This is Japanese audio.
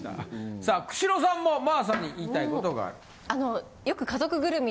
さあ久代さんも真麻に言いたいことがある。